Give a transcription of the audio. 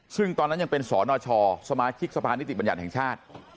ซึ่งตอนนั้นยังเป็นสนชสมาชิกสะพานนิติบัญญัติแห่งชาติ